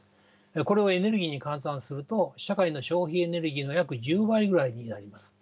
これをエネルギーに換算すると社会の消費エネルギーの約１０倍ぐらいになります。